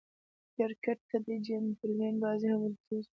کرکټ ته "جېنټلمن بازي" هم ویل کیږي.